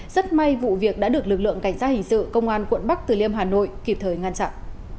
rất may vụ việc đã được lực lượng cảnh sát hình sự công an quận bắc từ liêm hà nội kịp thời ngăn chặn